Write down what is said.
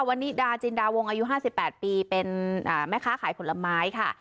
วันนี้ดาจินดาวงอายุห้าสิบแปดปีเป็นอ่าแม่ค้าขายผลไม้ค่ะ